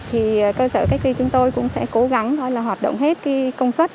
thì cơ sở cách ly chúng tôi cũng sẽ cố gắng hoạt động hết công suất